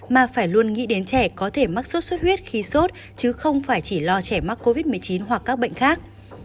mà phải luôn nghĩ đến trẻ có thể mắc sốt xuất huyết khi sốt chứ không phải chỉ lo trẻ mắc covid một mươi chín hoặc các bệnh khác